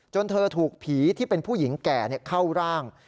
เธอถูกผีที่เป็นผู้หญิงแก่เข้าร่าง